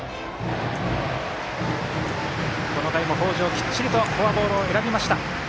この回も北條、きっちりとフォアボールを選びました。